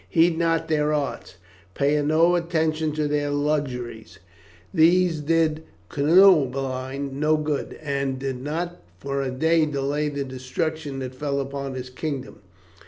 Heed not their arts, pay no attention to their luxuries, these did Cunobeline no good, and did not for a day delay the destruction that fell upon his kingdom.